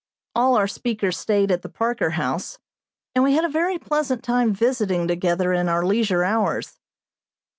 All our speakers stayed at the Parker House, and we had a very pleasant time visiting together in our leisure hours.